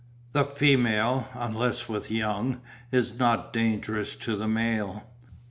The female, unless with young, is not dangerous to the male.